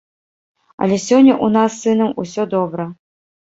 Але сёння ў нас з сынам усё добра.